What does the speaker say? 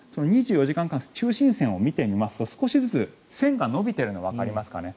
２４時間間隔中心線を見てみますと少しずつ線が伸びているのがわかりますかね。